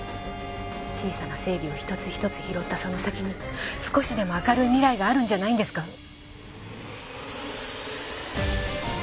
小さな正義を一つ一つ拾ったその先に少しでも明るい未来があるんじゃないんですか？